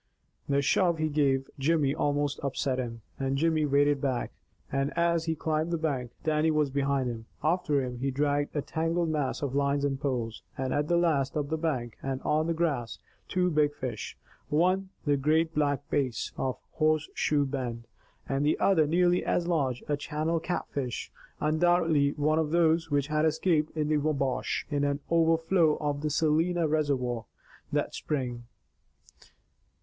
The shove he gave Jimmy almost upset him, and Jimmy waded back, and as he climbed the bank, Dannie was behind him. After him he dragged a tangled mass of lines and poles, and at the last up the bank, and on the grass, two big fish; one, the great Black Bass of Horseshoe Bend; and the other nearly as large, a channel catfish; undoubtedly, one of those which had escaped into the Wabash in an overflow of the Celina reservoir that spring.